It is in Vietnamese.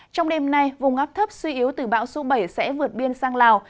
trong đêm nay vùng áp thấp suy yếu từ bão số bảy sẽ vượt biên sang lào